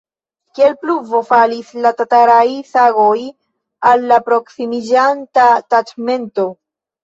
Kiel pluvo falis la tataraj sagoj al la proksimiĝanta taĉmento.